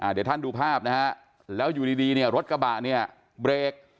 เดี๋ยวท่านดูภาพนะฮะแล้วอยู่ดีเนี่ยรถกระบะเนี่ยเบรก